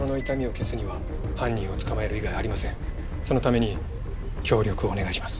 そのために協力をお願いします。